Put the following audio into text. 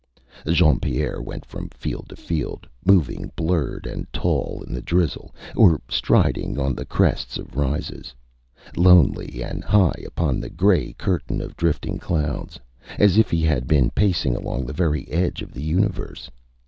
Jean Pierre went from field to field, moving blurred and tall in the drizzle, or striding on the crests of rises, lonely and high upon the gray curtain of drifting clouds, as if he had been pacing along the very edge of the universe.